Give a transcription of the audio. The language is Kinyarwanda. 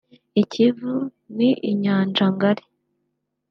I Kivu ni inyanja ngari